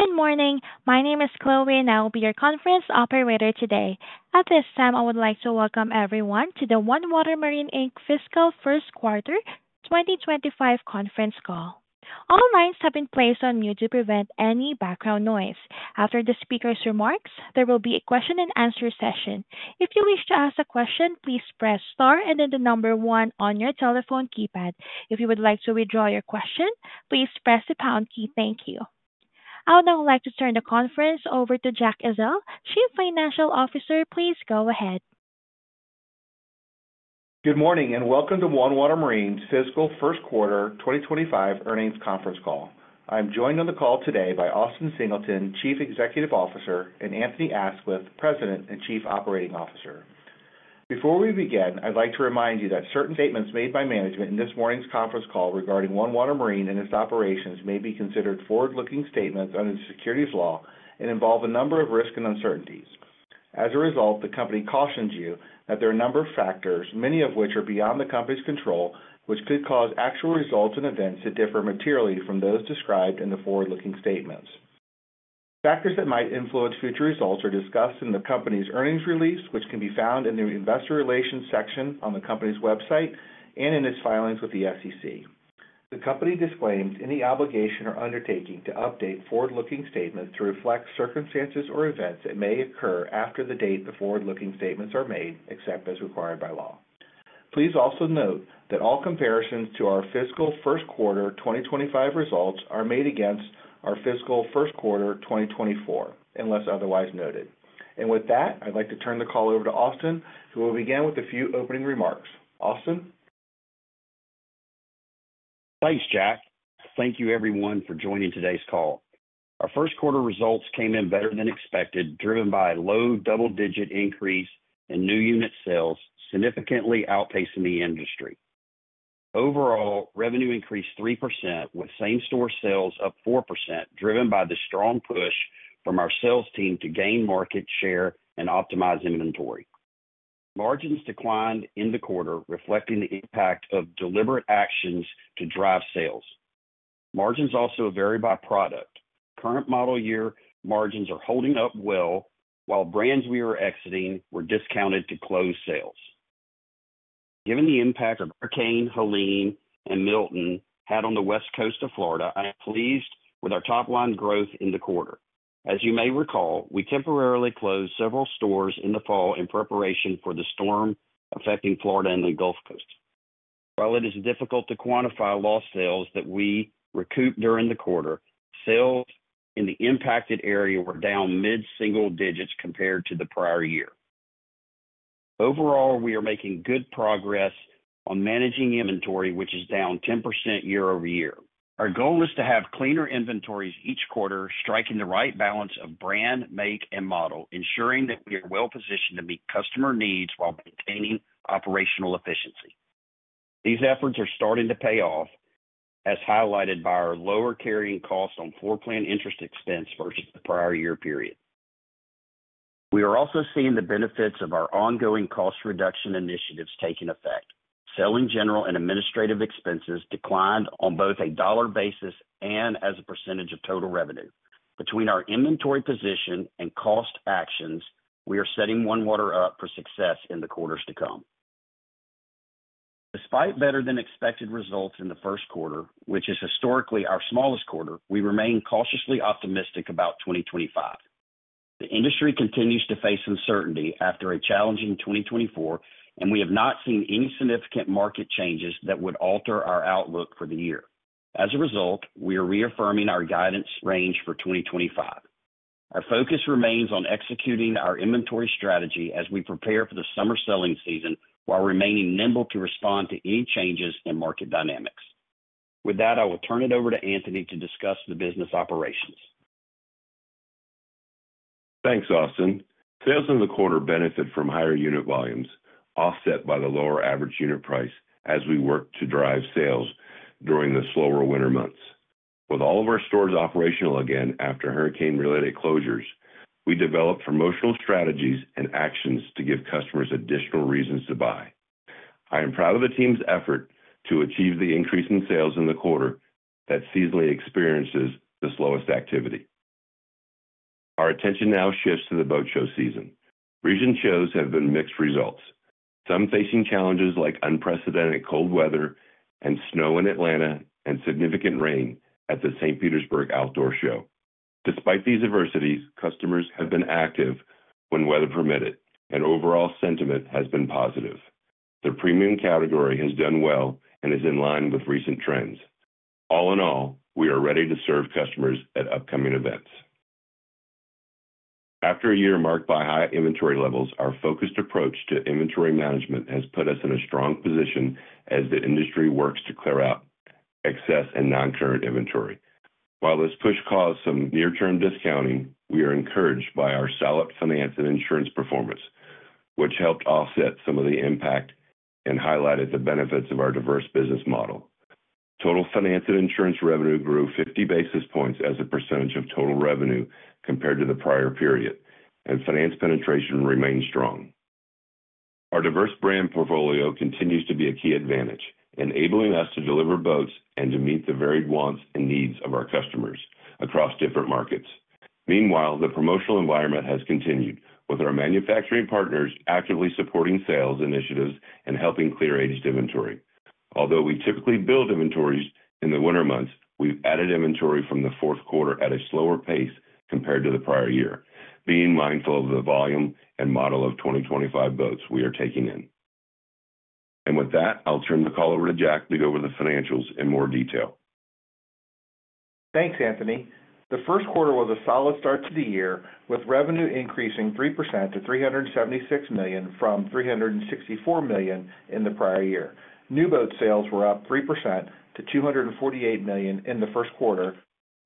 Good morning. My name is Chloe, and I will be your conference operator today. At this time, I would like to welcome everyone to the OneWater Marine Inc. fiscal first quarter 2025 conference call. All lines have been placed on mute to prevent any background noise. After the speaker's remarks, there will be a question-and-answer session. If you wish to ask a question, please press star and then the number one on your telephone keypad. If you would like to withdraw your question, please press the pound key. Thank you. I would now like to turn the conference over to Jack Ezzell. Chief Financial Officer, please go ahead. Good morning and welcome to OneWater Marine's fiscal first quarter 2025 earnings conference call. I'm joined on the call today by Austin Singleton, Chief Executive Officer, and Anthony Aisquith, President and Chief Operating Officer. Before we begin, I'd like to remind you that certain statements made by management in this morning's conference call regarding OneWater Marine and its operations may be considered forward-looking statements under the securities law and involve a number of risks and uncertainties. As a result, the company cautions you that there are a number of factors, many of which are beyond the company's control, which could cause actual results and events that differ materially from those described in the forward-looking statements. Factors that might influence future results are discussed in the company's earnings release, which can be found in the Investor Relations section on the company's website and in its filings with the SEC. The company disclaims any obligation or undertaking to update forward-looking statements to reflect circumstances or events that may occur after the date the forward-looking statements are made, except as required by law. Please also note that all comparisons to our fiscal first quarter 2025 results are made against our fiscal first quarter 2024, unless otherwise noted. And with that, I'd like to turn the call over to Austin, who will begin with a few opening remarks. Austin. Thanks, Jack. Thank you, everyone, for joining today's call. Our first quarter results came in better than expected, driven by a low double-digit increase in new unit sales, significantly outpacing the industry. Overall, revenue increased 3%, with same-store sales up 4%, driven by the strong push from our sales team to gain market share and optimize inventory. Margins declined in the quarter, reflecting the impact of deliberate actions to drive sales. Margins also vary by product. Current model year margins are holding up well, while brands we were exiting were discounted to close sales. Given the impact of Hurricane Helene and Milton had on the West Coast of Florida, I am pleased with our top-line growth in the quarter. As you may recall, we temporarily closed several stores in the fall in preparation for the storm affecting Florida and the Gulf Coast. While it is difficult to quantify lost sales that we recouped during the quarter, sales in the impacted area were down mid-single digits compared to the prior year. Overall, we are making good progress on managing inventory, which is down 10% year-over-year. Our goal is to have cleaner inventories each quarter, striking the right balance of brand, make, and model, ensuring that we are well-positioned to meet customer needs while maintaining operational efficiency. These efforts are starting to pay off, as highlighted by our lower carrying cost on floor plan interest expense versus the prior year period. We are also seeing the benefits of our ongoing cost reduction initiatives taking effect. Selling, general, and administrative expenses declined on both a dollar basis and as a percentage of total revenue. Between our inventory position and cost actions, we are setting OneWater up for success in the quarters to come. Despite better-than-expected results in the first quarter, which is historically our smallest quarter, we remain cautiously optimistic about 2025. The industry continues to face uncertainty after a challenging 2024, and we have not seen any significant market changes that would alter our outlook for the year. As a result, we are reaffirming our guidance range for 2025. Our focus remains on executing our inventory strategy as we prepare for the summer selling season, while remaining nimble to respond to any changes in market dynamics. With that, I will turn it over to Anthony to discuss the business operations. Thanks, Austin. Sales in the quarter benefit from higher unit volumes, offset by the lower average unit price as we work to drive sales during the slower winter months. With all of our stores operational again after hurricane-related closures, we developed promotional strategies and actions to give customers additional reasons to buy. I am proud of the team's effort to achieve the increase in sales in the quarter that seasonally experiences the slowest activity. Our attention now shifts to the boat show season. Regional shows have been mixed results, some facing challenges like unprecedented cold weather and snow in Atlanta and significant rain at the St. Petersburg Outdoor Show. Despite these adversities, customers have been active when weather permitted, and overall sentiment has been positive. The premium category has done well and is in line with recent trends. All in all, we are ready to serve customers at upcoming events. After a year marked by high inventory levels, our focused approach to inventory management has put us in a strong position as the industry works to clear out excess and non-current inventory. While this push caused some near-term discounting, we are encouraged by our solid finance and insurance performance, which helped offset some of the impact and highlighted the benefits of our diverse business model. Total finance and insurance revenue grew 50 basis points as a percentage of total revenue compared to the prior period, and finance penetration remained strong. Our diverse brand portfolio continues to be a key advantage, enabling us to deliver boats and to meet the varied wants and needs of our customers across different markets. Meanwhile, the promotional environment has continued, with our manufacturing partners actively supporting sales initiatives and helping clear aged inventory. Although we typically build inventories in the winter months, we've added inventory from the fourth quarter at a slower pace compared to the prior year, being mindful of the volume and model of 2025 boats we are taking in, and with that, I'll turn the call over to Jack to go over the financials in more detail. Thanks, Anthony. The first quarter was a solid start to the year, with revenue increasing 3% to $376 million from $364 million in the prior year. New boat sales were up 3% to $248 million in the first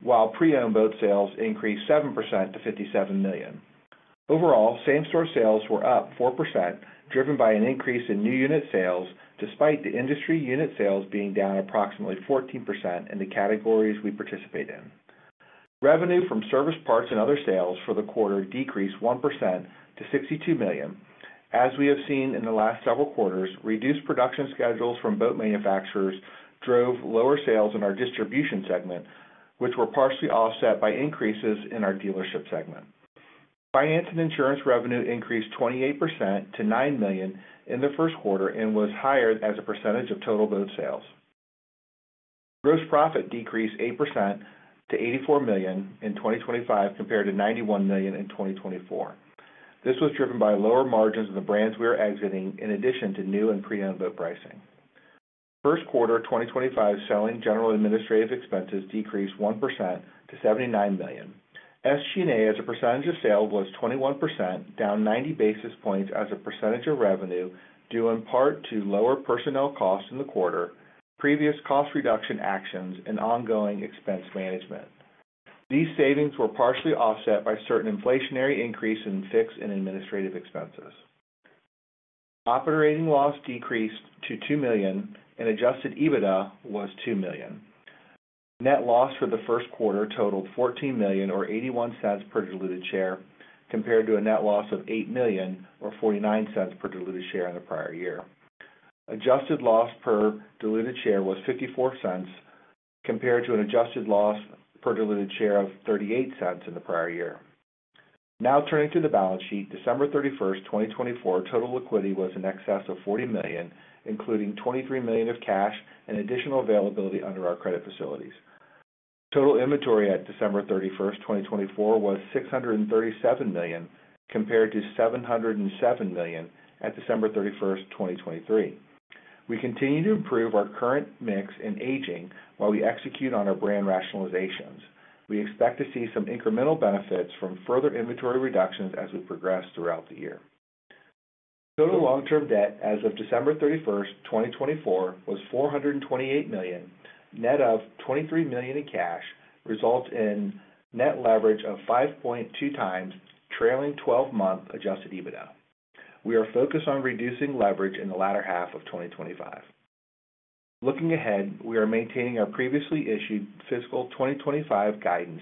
quarter, while pre-owned boat sales increased 7% to $57 million. Overall, same-store sales were up 4%, driven by an increase in new unit sales, despite the industry unit sales being down approximately 14% in the categories we participate in. Revenue from service parts and other sales for the quarter decreased 1% to $62 million. As we have seen in the last several quarters, reduced production schedules from boat manufacturers drove lower sales in our distribution segment, which were partially offset by increases in our dealership segment. Finance and insurance revenue increased 28% to $9 million in the first quarter and was higher as a percentage of total boat sales. Gross profit decreased 8% to $84 million in 2025 compared to $91 million in 2024. This was driven by lower margins of the brands we are exiting, in addition to new and pre-owned boat pricing. First quarter 2025 selling, general, and administrative expenses decreased 1% to $79 million. SG&A as a percentage of sales was 21%, down 90 basis points as a percentage of revenue, due in part to lower personnel costs in the quarter, previous cost reduction actions, and ongoing expense management. These savings were partially offset by certain inflationary increases in fixed and administrative expenses. Operating loss decreased to $2 million, and Adjusted EBITDA was $2 million. Net loss for the first quarter totaled $14 million, or $0.81 per diluted share, compared to a net loss of $8 million, or $0.49 per diluted share in the prior year. Adjusted loss per diluted share was $0.54, compared to an adjusted loss per diluted share of $0.38 in the prior year. Now turning to the balance sheet, December 31st, 2024, total liquidity was in excess of $40 million, including $23 million of cash and additional availability under our credit facilities. Total inventory at December 31st, 2024, was $637 million, compared to $707 million at December 31st, 2023. We continue to improve our current mix and aging while we execute on our brand rationalizations. We expect to see some incremental benefits from further inventory reductions as we progress throughout the year. Total long-term debt as of December 31st, 2024, was $428 million, net of $23 million in cash, resulting in net leverage of 5.2x, trailing 12-month adjusted EBITDA. We are focused on reducing leverage in the latter half of 2025. Looking ahead, we are maintaining our previously issued fiscal 2025 guidance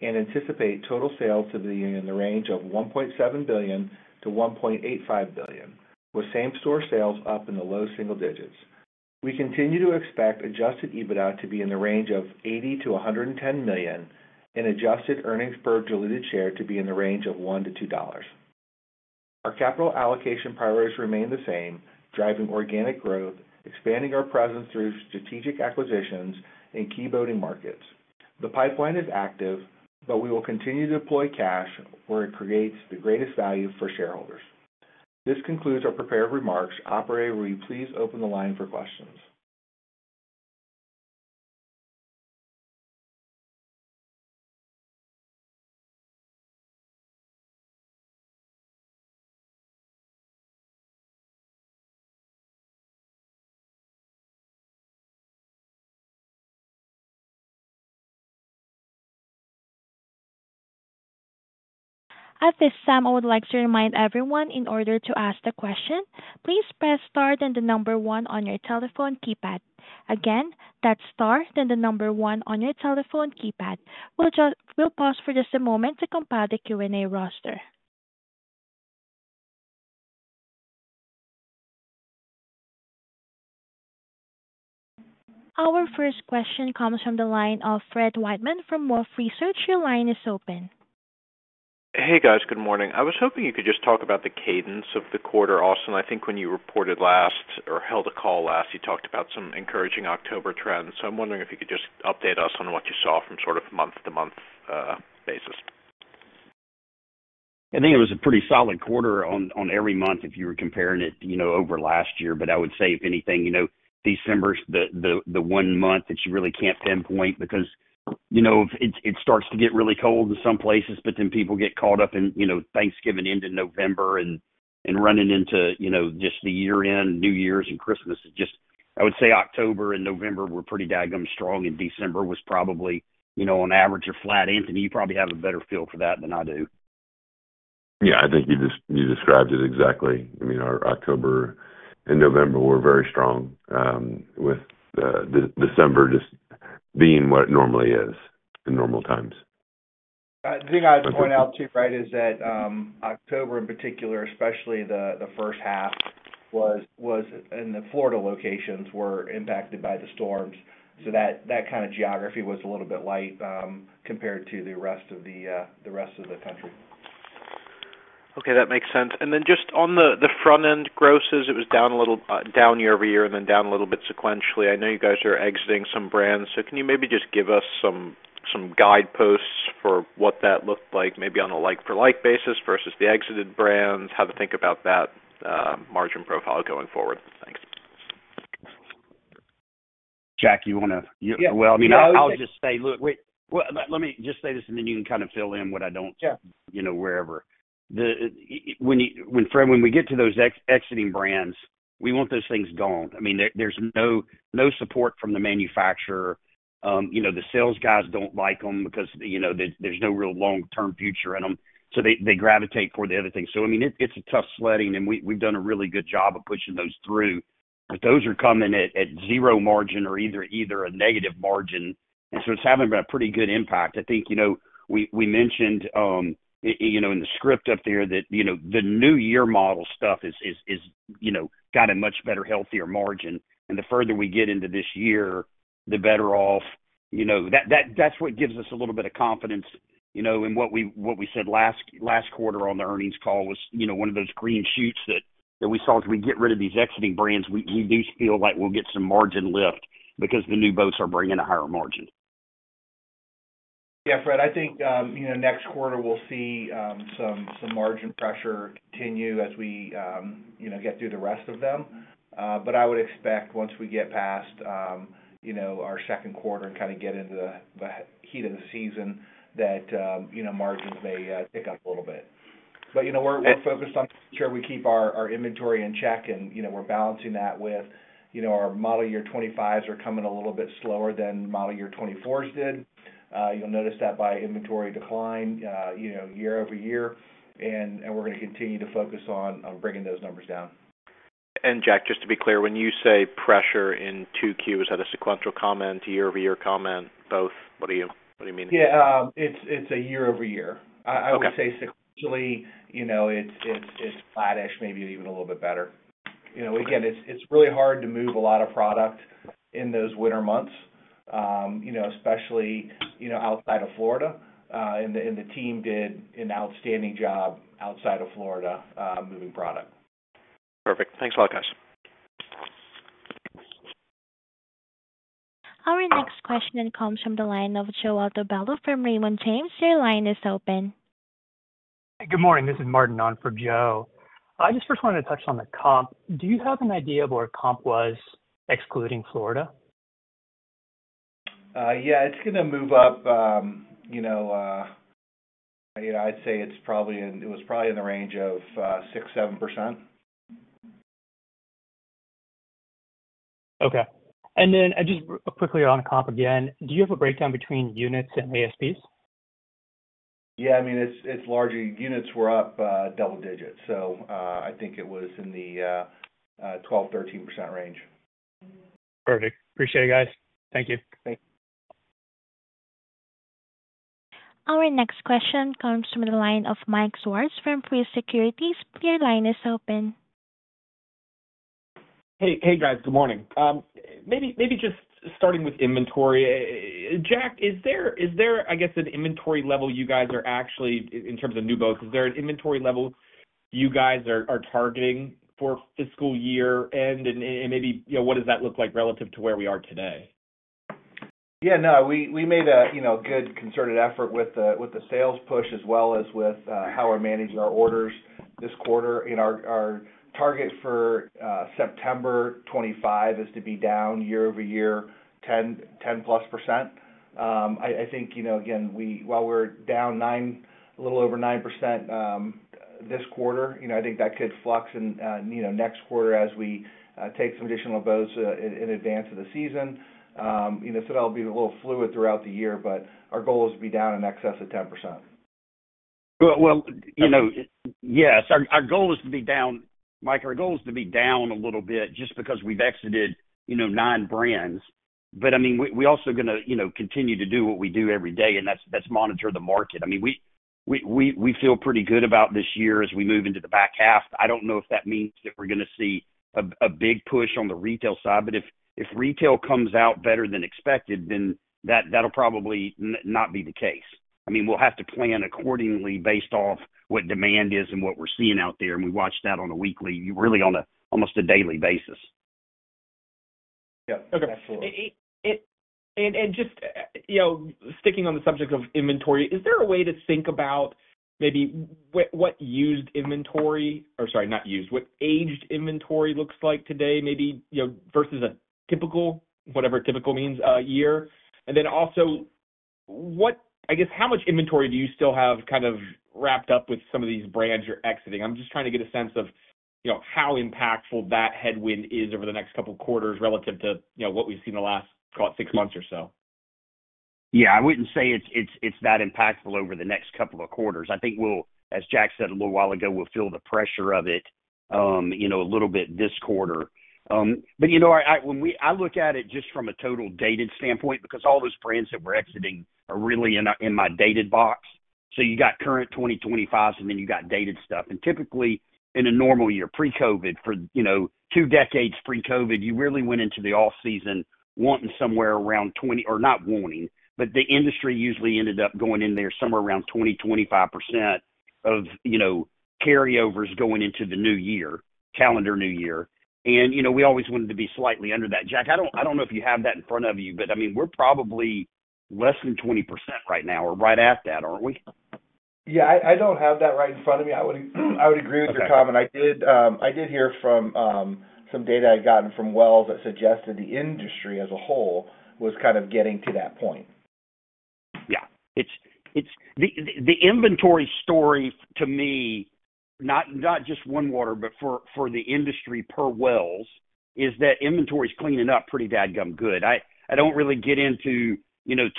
and anticipate total sales to be in the range of $1.7 billion-$1.85 billion, with same-store sales up in the low single digits. We continue to expect adjusted EBITDA to be in the range of $80 million-$110 million, and adjusted earnings per diluted share to be in the range of $1-$2. Our capital allocation priorities remain the same, driving organic growth, expanding our presence through strategic acquisitions in key boating markets. The pipeline is active, but we will continue to deploy cash where it creates the greatest value for shareholders. This concludes our prepared remarks. Operator, will you please open the line for questions? At this time, I would like to remind everyone, in order to ask the question, please press star then the number one on your telephone keypad. Again, that's star then the number one on your telephone keypad. We'll pause for just a moment to compile the Q&A roster. Our first question comes from the line of Fred Wightman from Wolfe Research. Your line is open. Hey, guys. Good morning. I was hoping you could just talk about the cadence of the quarter, Austin. I think when you reported last or held a call last, you talked about some encouraging October trends. So I'm wondering if you could just update us on what you saw from sort of month-to-month basis. I think it was a pretty solid quarter on every month if you were comparing it over last year. But I would say, if anything, December's the one month that you really can't pinpoint because it starts to get really cold in some places, but then people get caught up in Thanksgiving into November and running into just the year-end, New Year's, and Christmas. I would say October and November were pretty daggum strong, and December was probably, on average, a flat. Anthony, you probably have a better feel for that than I do. Yeah. I think you described it exactly. I mean, October and November were very strong, with December just being what it normally is in normal times. The thing I'd point out too, right, is that October, in particular, especially the first half, and the Florida locations were impacted by the storms. So that kind of geography was a little bit light compared to the rest of the country. Okay. That makes sense. And then just on the front-end grosses, it was down a little, down year-over-year and then down a little bit sequentially. I know you guys are exiting some brands. So can you maybe just give us some guideposts for what that looked like, maybe on a like-for-like basis versus the exited brands, how to think about that margin profile going forward? Thanks. Jack, you want to? Yeah. I mean, I'll just say, look, let me just say this, and then you can kind of fill in what I don't wherever. When we get to those exiting brands, we want those things gone. I mean, there's no support from the manufacturer. The sales guys don't like them because there's no real long-term future in them, so they gravitate for the other things, so I mean, it's a tough sledding, and we've done a really good job of pushing those through, but those are coming at zero margin or either a negative margin, and so it's having a pretty good impact. I think we mentioned in the script up there that the new year model stuff has got a much better, healthier margin, and the further we get into this year, the better off. That's what gives us a little bit of confidence. What we said last quarter on the earnings call was one of those green shoots that we saw. As we get rid of these exiting brands, we do feel like we'll get some margin lift because the new boats are bringing a higher margin. Yeah, Fred, I think next quarter we'll see some margin pressure continue as we get through the rest of them. But I would expect once we get past our second quarter and kind of get into the heat of the season that margins may tick up a little bit. But we're focused on making sure we keep our inventory in check, and we're balancing that with our model year 2025s are coming a little bit slower than model year 2024s did. You'll notice that by inventory decline year-over-year. And we're going to continue to focus on bringing those numbers down. Jack, just to be clear, when you say pressure in 2Q, is that a sequential comment, year-over-year comment, both? What do you mean? Yeah. It's a year-over-year. I would say sequentially, it's flat-ish, maybe even a little bit better. Again, it's really hard to move a lot of product in those winter months, especially outside of Florida. And the team did an outstanding job outside of Florida moving product. Perfect. Thanks a lot, guys. Our next question comes from the line of Joe Altobello from Raymond James. Your line is open. Hey, good morning. This is Martin. I'm from Joe. I just first wanted to touch on the comp. Do you have an idea of where comp was, excluding Florida? Yeah. It's going to move up. I'd say it was probably in the range of 6%-7%. Okay. And then just quickly on comp again, do you have a breakdown between units and ASPs? Yeah. I mean, it's largely units were up double digits. So I think it was in the 12%-13% range. Perfect. Appreciate it, guys. Thank you. Thanks. Our next question comes from the line of Mike Swartz from Truist Securities. Your line is open. Hey, guys. Good morning. Maybe just starting with inventory. Jack, is there, I guess, an inventory level you guys are actually in terms of new boats? Is there an inventory level you guys are targeting for fiscal year-end, and maybe what does that look like relative to where we are today? Yeah. No, we made a good concerted effort with the sales push as well as with how we're managing our orders this quarter. Our target for September 2025 is to be down year-over-year 10+%. I think, again, while we're down a little over 9% this quarter, I think that could flux in next quarter as we take some additional boats in advance of the season. So that'll be a little fluid throughout the year, but our goal is to be down in excess of 10%. Yes. Our goal is to be down, Mike. Our goal is to be down a little bit just because we've exited nine brands. I mean, we're also going to continue to do what we do every day, and that's monitor the market. I mean, we feel pretty good about this year as we move into the back half. I don't know if that means that we're going to see a big push on the retail side. If retail comes out better than expected, then that'll probably not be the case. I mean, we'll have to plan accordingly based off what demand is and what we're seeing out there. We watch that on a weekly, really on almost a daily basis. Yeah. Absolutely. And just sticking on the subject of inventory, is there a way to think about maybe what used inventory or sorry, not used, what aged inventory looks like today, maybe versus a typical, whatever typical means, year? And then also, I guess, how much inventory do you still have kind of wrapped up with some of these brands you're exiting? I'm just trying to get a sense of how impactful that headwind is over the next couple of quarters relative to what we've seen the last, call it, six months or so. Yeah. I wouldn't say it's that impactful over the next couple of quarters. I think, as Jack said a little while ago, we'll feel the pressure of it a little bit this quarter. But I look at it just from a total dated standpoint because all those brands that we're exiting are really in my dated box. So you got current 2025s, and then you got dated stuff. And typically, in a normal year, pre-COVID, for two decades pre-COVID, you really went into the off-season wanting somewhere around 20 or not wanting, but the industry usually ended up going in there somewhere around 20%, 25% of carryovers going into the new year, calendar new year. And we always wanted to be slightly under that. Jack, I don't know if you have that in front of you, but I mean, we're probably less than 20% right now or right at that, aren't we? Yeah. I don't have that right in front of me. I would agree with your comment. I did hear from some data I'd gotten from Wells that suggested the industry as a whole was kind of getting to that point. Yeah. The inventory story to me, not just OneWater, but for the industry per Wells, is that inventory is cleaning up pretty dadgum good. I don't really get into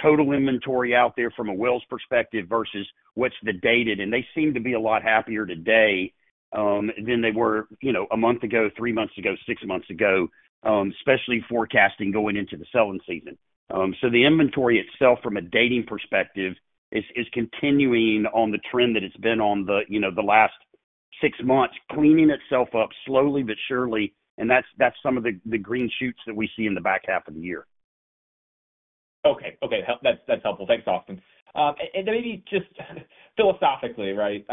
total inventory out there from a Wells perspective versus what's the dated. And they seem to be a lot happier today than they were a month ago, three months ago, six months ago, especially forecasting going into the selling season. So the inventory itself, from a dating perspective, is continuing on the trend that it's been on the last six months, cleaning itself up slowly but surely. And that's some of the green shoots that we see in the back half of the year. Okay. Okay. That's helpful. Thanks, Austin. And maybe just philosophically, right,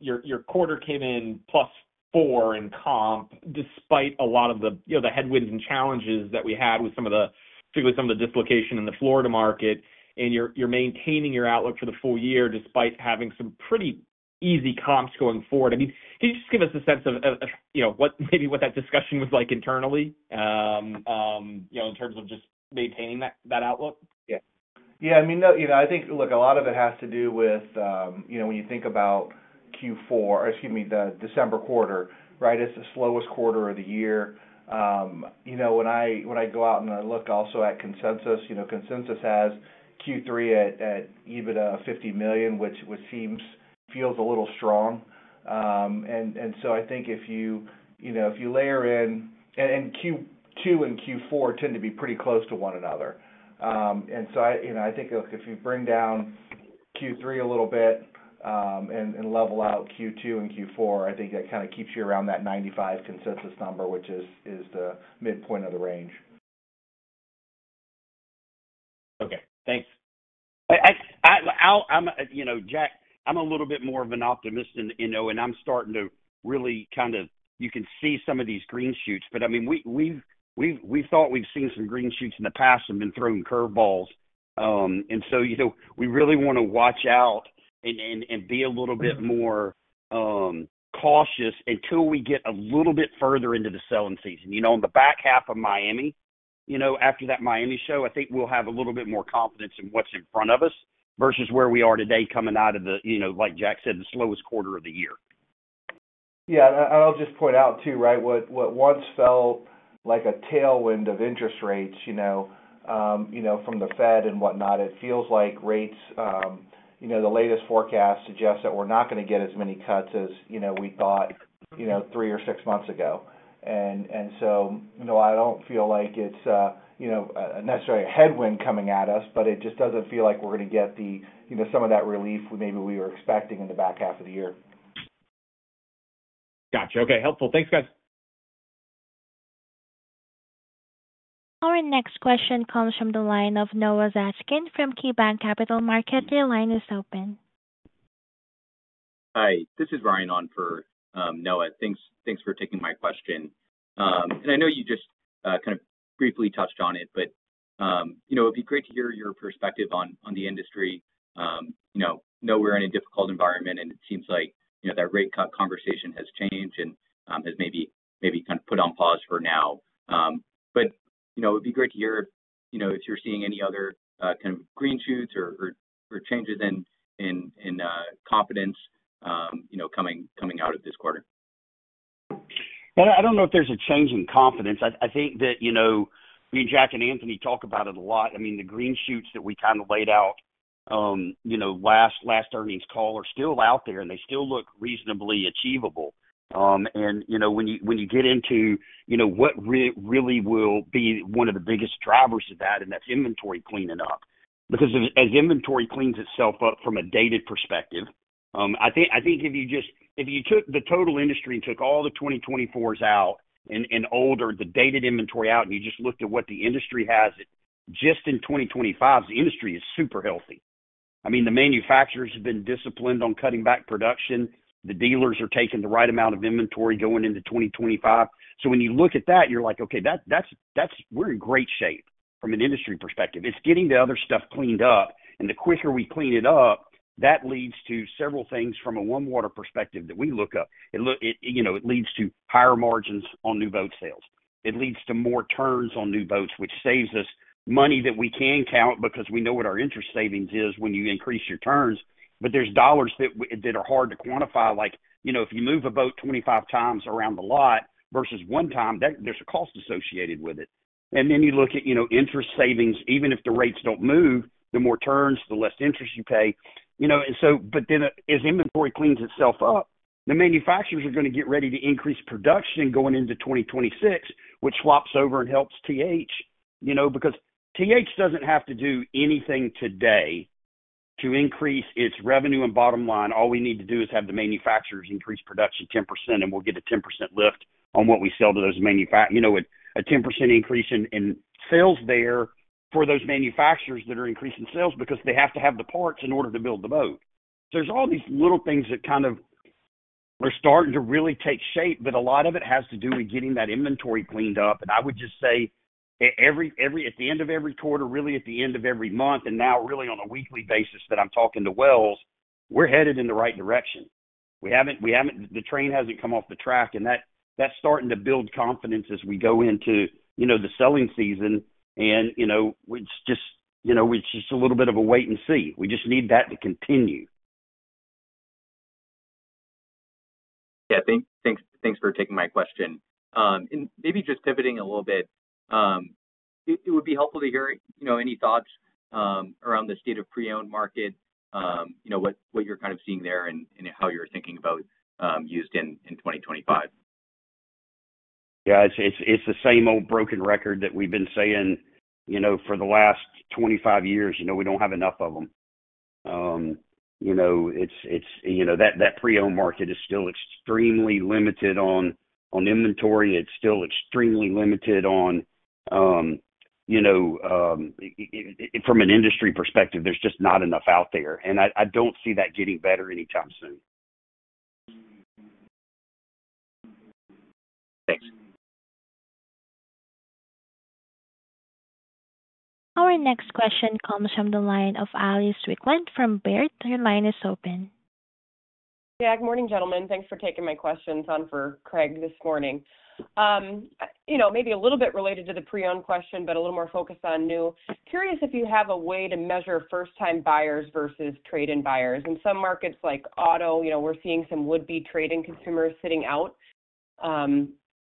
your quarter came in plus four in comp despite a lot of the headwinds and challenges that we had with particularly some of the dislocation in the Florida market. And you're maintaining your outlook for the full year despite having some pretty easy comps going forward. I mean, can you just give us a sense of maybe what that discussion was like internally in terms of just maintaining that outlook? Yeah. I mean, I think, look, a lot of it has to do with when you think about Q4 or excuse me, the December quarter, right? It's the slowest quarter of the year. When I go out and I look also at consensus, consensus has Q3 at EBITDA of $50 million, which feels a little strong. And so I think if you layer in and Q2 and Q4 tend to be pretty close to one another. And so I think if you bring down Q3 a little bit and level out Q2 and Q4, I think that kind of keeps you around that $95 million consensus number, which is the midpoint of the range. Okay. Thanks. Jack, I'm a little bit more of an optimist, and I'm starting to really kind of you can see some of these green shoots. But I mean, we've thought we've seen some green shoots in the past and been throwing curveballs. And so we really want to watch out and be a little bit more cautious until we get a little bit further into the selling season. On the back half of Miami, after that Miami show, I think we'll have a little bit more confidence in what's in front of us versus where we are today coming out of the, like Jack said, the slowest quarter of the year. Yeah. And I'll just point out too, right, what once felt like a tailwind of interest rates from the Fed and whatnot, it feels like rates the latest forecast suggests that we're not going to get as many cuts as we thought three or six months ago. And so I don't feel like it's necessarily a headwind coming at us, but it just doesn't feel like we're going to get some of that relief maybe we were expecting in the back half of the year. Gotcha. Okay. Helpful. Thanks, guys. Our next question comes from the line of Noah Zatzkin from KeyBanc Capital Markets. Your line is open. Hi. This is Ryan on for Noah. Thanks for taking my question. And I know you just kind of briefly touched on it, but it'd be great to hear your perspective on the industry. I know we're in a difficult environment, and it seems like that rate cut conversation has changed and has maybe kind of put on pause for now. But it'd be great to hear if you're seeing any other kind of green shoots or changes in confidence coming out of this quarter. I don't know if there's a change in confidence. I think that me and Jack and Anthony talk about it a lot. I mean, the green shoots that we kind of laid out last earnings call are still out there, and they still look reasonably achievable. And when you get into what really will be one of the biggest drivers of that, and that's inventory cleaning up, because as inventory cleans itself up from a dated perspective, I think if you took the total industry and took all the 2024s out and older, the dated inventory out, and you just looked at what the industry has just in 2025, the industry is super healthy. I mean, the manufacturers have been disciplined on cutting back production. The dealers are taking the right amount of inventory going into 2025. So when you look at that, you're like, "Okay. We're in great shape from an industry perspective." It's getting the other stuff cleaned up, and the quicker we clean it up, that leads to several things from a OneWater perspective that we look up. It leads to higher margins on new boat sales. It leads to more turns on new boats, which saves us money that we can count because we know what our interest savings is when you increase your turns. But there's dollars that are hard to quantify. If you move a boat 25x around the lot versus one time, there's a cost associated with it, and then you look at interest savings. Even if the rates don't move, the more turns, the less interest you pay. But then as inventory cleans itself up, the manufacturers are going to get ready to increase production going into 2026, which swaps over and helps T-H because T-H doesn't have to do anything today to increase its revenue and bottom line. All we need to do is have the manufacturers increase production 10%, and we'll get a 10% lift on what we sell to those manufacturers, a 10% increase in sales there for those manufacturers that are increasing sales because they have to have the parts in order to build the boat. So there's all these little things that kind of are starting to really take shape, but a lot of it has to do with getting that inventory cleaned up. And I would just say at the end of every quarter, really at the end of every month, and now really on a weekly basis that I'm talking to Wells, we're headed in the right direction. The train hasn't come off the track, and that's starting to build confidence as we go into the selling season. And it's just a little bit of a wait and see. We just need that to continue. Yeah. Thanks for taking my question, and maybe just pivoting a little bit, it would be helpful to hear any thoughts around the state of pre-owned market, what you're kind of seeing there, and how you're thinking about used in 2025. Yeah. It's the same old broken record that we've been saying for the last 25 years. We don't have enough of them. It's that pre-owned market is still extremely limited on inventory. It's still extremely limited on, from an industry perspective, there's just not enough out there. And I don't see that getting better anytime soon. Thanks. Our next question comes from the line of Alice Wycklendt from Baird. Your line is open. Yeah. Good morning, gentlemen. Thanks for taking my questions. On for Craig this morning. Maybe a little bit related to the pre-owned question, but a little more focused on new. Curious if you have a way to measure first-time buyers versus trade-in buyers. In some markets like auto, we're seeing some would-be trade-in consumers sitting out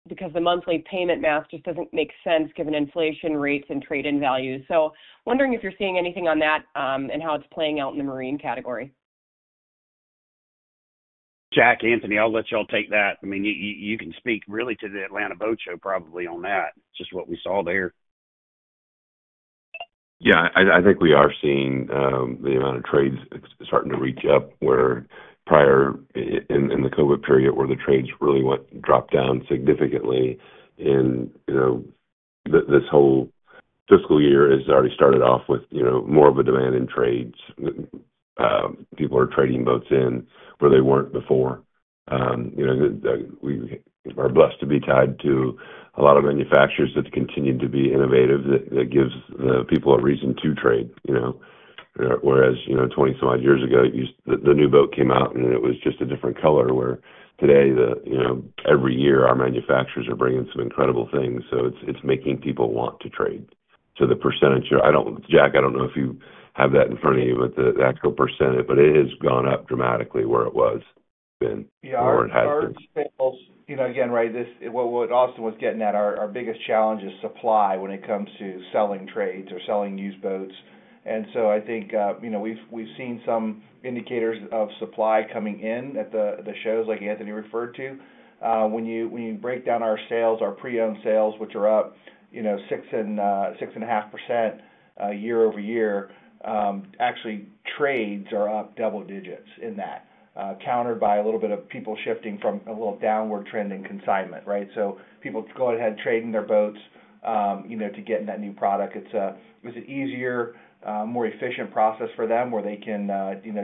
because the monthly payment math just doesn't make sense given inflation rates and trade-in values. So wondering if you're seeing anything on that and how it's playing out in the marine category. Jack, Anthony, I'll let y'all take that. I mean, you can speak really to the Atlanta Boat Show probably on that, just what we saw there. Yeah. I think we are seeing the amount of trades starting to reach up where prior in the COVID period where the trades really dropped down significantly. And this whole fiscal year has already started off with more of a demand in trades. People are trading boats in where they weren't before. We are blessed to be tied to a lot of manufacturers that continue to be innovative that gives people a reason to trade. Whereas 20-some odd years ago, the new boat came out, and it was just a different color where today, every year, our manufacturers are bringing some incredible things. So it's making people want to trade. So the percentage, Jack, I don't know if you have that in front of you, but the actual percentage, but it has gone up dramatically where it was, where it has been. Yeah. Our sales again, right, what Austin was getting at, our biggest challenge is supply when it comes to selling trades or selling used boats. And so I think we've seen some indicators of supply coming in at the shows like Anthony referred to. When you break down our sales, our pre-owned sales, which are up 6.5% year-over-year, actually trades are up double digits in that, countered by a little bit of people shifting from a little downward trend in consignment, right? So people go ahead and trade in their boats to get in that new product. It was an easier, more efficient process for them where they can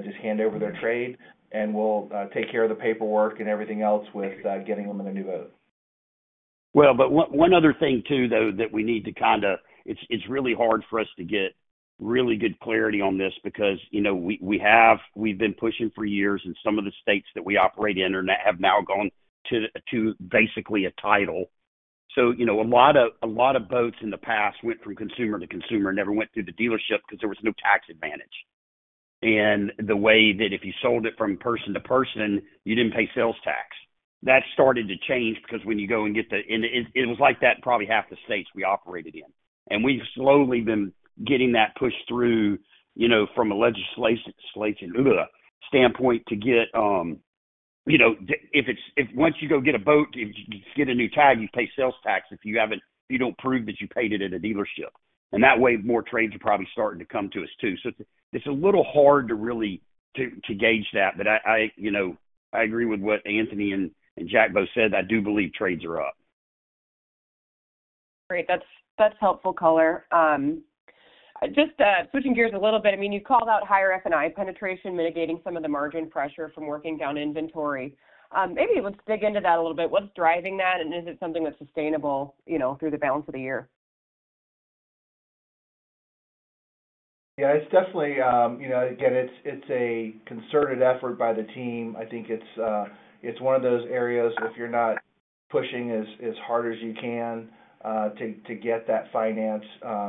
just hand over their trade, and we'll take care of the paperwork and everything else with getting them in a new boat. Well, but one other thing too, though, that we need to kind of—it's really hard for us to get really good clarity on this because we've been pushing for years, and some of the states that we operate in have now gone to basically a title. So a lot of boats in the past went from consumer to consumer and never went through the dealership because there was no tax advantage. And the way that if you sold it from person to person, you didn't pay sales tax. That started to change because when you go and get the—and it was like that in probably half the states we operated in. And we've slowly been getting that pushed through from a legislation standpoint to get if it's once you go get a boat, if you get a new tag, you pay sales tax if you don't prove that you paid it at a dealership. And that way, more trades are probably starting to come to us too. So it's a little hard to really gauge that, but I agree with what Anthony and Jack both said. I do believe trades are up. Great. That's helpful, color. Just switching gears a little bit. I mean, you called out higher F&I penetration mitigating some of the margin pressure from working down inventory. Maybe let's dig into that a little bit. What's driving that, and is it something that's sustainable through the balance of the year? Yeah. It's definitely, again, it's a concerted effort by the team. I think it's one of those areas if you're not pushing as hard as you can to get that finance,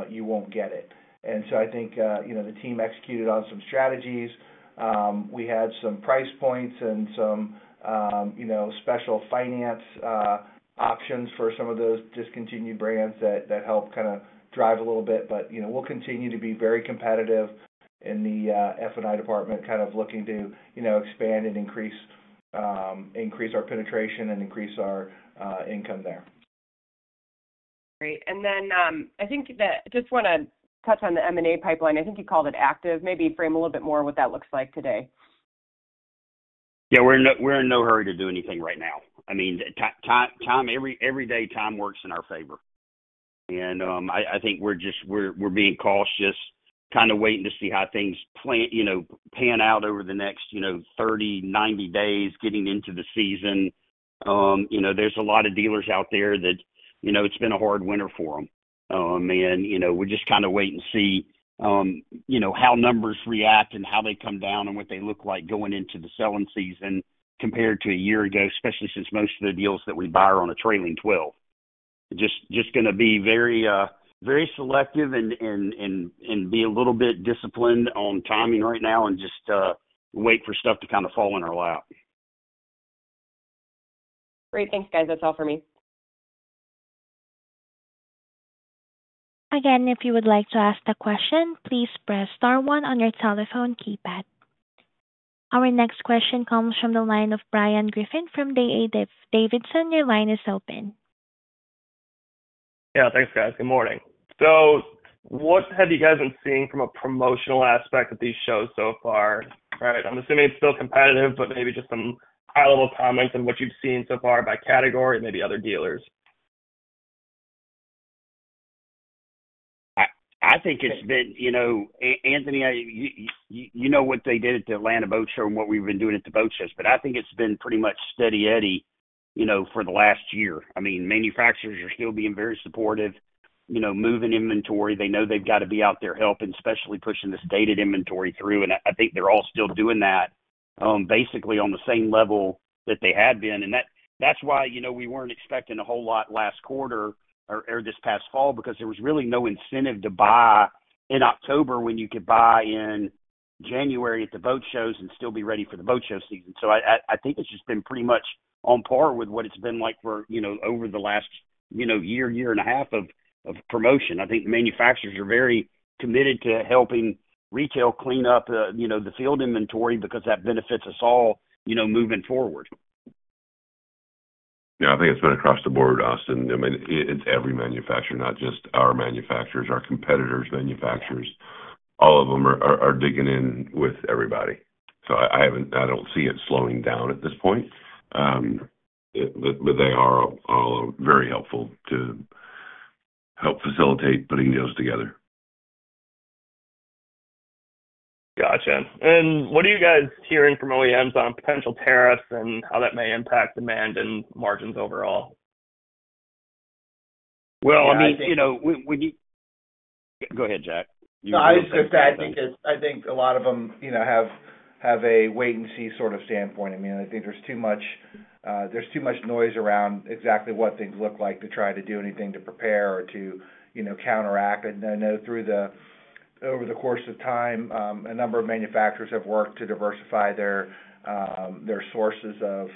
you won't get it. And so I think the team executed on some strategies. We had some price points and some special finance options for some of those discontinued brands that help kind of drive a little bit. But we'll continue to be very competitive in the F&I department, kind of looking to expand and increase our penetration and increase our income there. Great. And then I think that I just want to touch on the M&A pipeline. I think you called it active. Maybe frame a little bit more what that looks like today. Yeah. We're in no hurry to do anything right now. I mean, every day, time works in our favor. And I think we're being cautious, kind of waiting to see how things pan out over the next 30 days, 90 days getting into the season. There's a lot of dealers out there that it's been a hard winter for them. And we're just kind of waiting to see how numbers react and how they come down and what they look like going into the selling season compared to a year ago, especially since most of the deals that we buy are on a trailing 12. Just going to be very selective and be a little bit disciplined on timing right now and just wait for stuff to kind of fall in our lap. Great. Thanks, guys. That's all for me. Again, if you would like to ask a question, please press star one on your telephone keypad. Our next question comes from the line of Bryan Griffin from D.A. Davidson. Your line is open. Yeah. Thanks, guys. Good morning. So what have you guys been seeing from a promotional aspect of these shows so far, right? I'm assuming it's still competitive, but maybe just some high-level comments on what you've seen so far by category and maybe other dealers. I think it's been Anthony. You know what they did at the Atlanta Boat Show and what we've been doing at the boat shows, but I think it's been pretty much Steady Eddie for the last year. I mean, manufacturers are still being very supportive, moving inventory. They know they've got to be out there helping, especially pushing the stale inventory through. And I think they're all still doing that basically on the same level that they had been. And that's why we weren't expecting a whole lot last quarter or this past fall because there was really no incentive to buy in October when you could buy in January at the boat shows and still be ready for the boat show season. So I think it's just been pretty much on par with what it's been like for over the last year, year and a half of promotion. I think the manufacturers are very committed to helping retail clean up the field inventory because that benefits us all moving forward. Yeah. I think it's been across the board, Austin. I mean, it's every manufacturer, not just our manufacturers, our competitors' manufacturers. All of them are digging in with everybody. So I don't see it slowing down at this point. But they are all very helpful to help facilitate putting deals together. Gotcha. And what are you guys hearing from OEMs on potential tariffs and how that may impact demand and margins overall? Well, I mean. Go ahead, Jack. I was just going to say I think a lot of them have a wait-and-see sort of standpoint. I mean, I think there's too much noise around exactly what things look like to try to do anything to prepare or to counteract. And I know over the course of time, a number of manufacturers have worked to diversify their sources of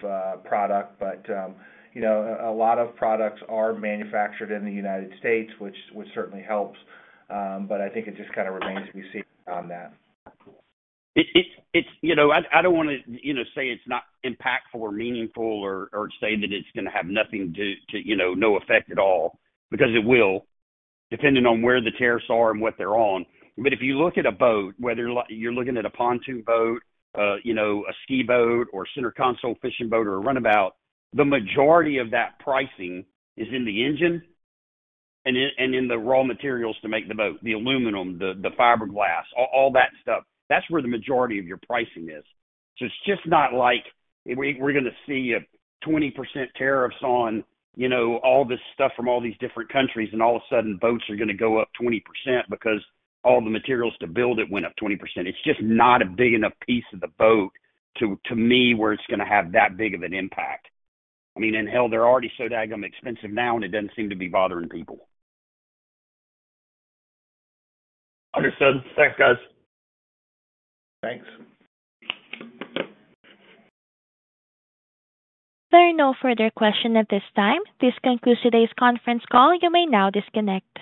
product. But a lot of products are manufactured in the United States, which certainly helps. But I think it just kind of remains to be seen on that. I don't want to say it's not impactful or meaningful or say that it's going to have nothing to do, no effect at all, because it will, depending on where the tariffs are and what they're on. But if you look at a boat, whether you're looking at a pontoon boat, a ski boat, or a center console fishing boat or a runabout, the majority of that pricing is in the engine and in the raw materials to make the boat, the aluminum, the fiberglass, all that stuff. That's where the majority of your pricing is. So it's just not like we're going to see a 20% tariffs on all this stuff from all these different countries, and all of a sudden, boats are going to go up 20% because all the materials to build it went up 20%. It's just not a big enough piece of the boat to me where it's going to have that big of an impact. I mean, and hell, they're already so daggum expensive now, and it doesn't seem to be bothering people. Understood. Thanks, guys. Thanks. There are no further questions at this time. This concludes today's conference call. You may now disconnect.